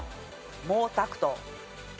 毛沢東。